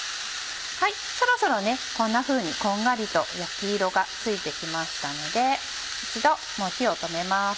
はいそろそろねこんなふうにこんがりと焼き色がついて来ましたので一度火を止めます。